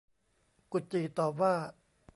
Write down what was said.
กุดจี่ตอบว่า